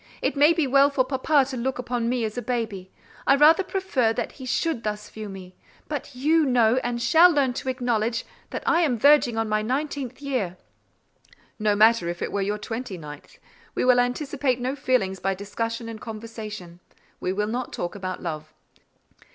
It may be well for papa to look on me as a baby: I rather prefer that he should thus view me; but you know and shall learn to acknowledge that I am verging on my nineteenth year." "No matter if it were your twenty ninth; we will anticipate no feelings by discussion and conversation; we will not talk about love."